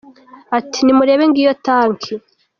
Ati: "Nimurebe ngiyo tanki